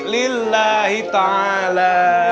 lillahi ya allah